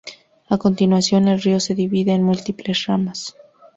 A continuación el río se divide en múltiples ramas.